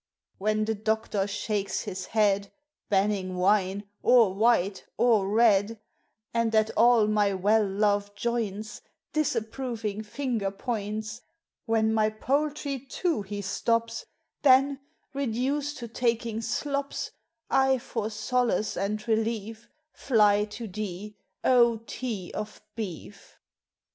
When the doctor shakes his head, Banning wine or white or red, And at all my well loved joints Disapproving finger points; When my poultry too he stops, Then, reduced to taking "slops," I, for solace and relief, Fly to thee, O Tea of Beef!